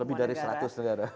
lebih dari seratus negara